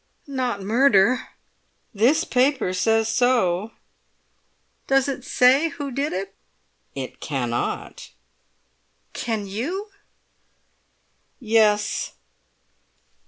"Not murder?" "This paper says so." "Does it say who did it?" "It cannot." "Can you?" "Yes!"